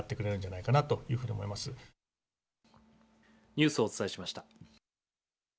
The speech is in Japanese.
ニュースをお伝えしました。